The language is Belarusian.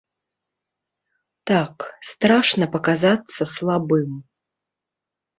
Так, страшна паказацца слабым.